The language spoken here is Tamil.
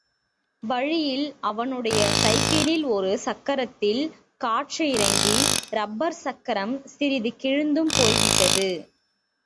வழியில் அவனுடைய சைக்கிளில் ஒரு சக்கரத்தில் காற்று இறங்கி ரப்பர் சக்கரம் சிறிது கிழிந்தும் போய்விட்டது.